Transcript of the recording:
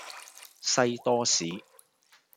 西多士